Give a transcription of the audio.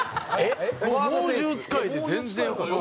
猛獣使いで全然良かった。